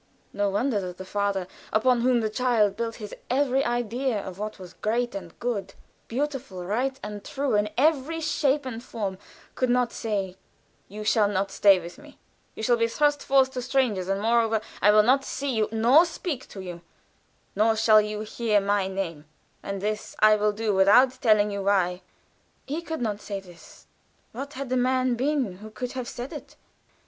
No wonder that the father, upon whom the child built his every idea of what was great and good, beautiful, right and true in every shape and form, could not say, "You shall not stay with me; you shall be thrust forth to strangers; and, moreover, I will not see you nor speak to you, nor shall you hear my name; and this I will do without telling you why" that he could not say this what had the man been who could have said it?